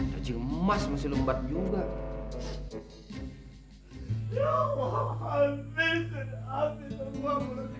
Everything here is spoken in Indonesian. kerja emas masih lembat juga